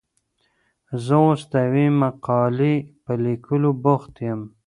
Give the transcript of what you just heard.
زه اوس د یوې مقالې په لیکلو بوخت یم.